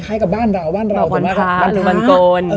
คล้ายกับบ้านเราบ้านเราบ้านพระบ้านกล